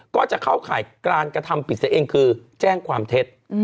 ก็จะเข้าข่ายการกระทำผิดเสียเองคือแจ้งความเท็จ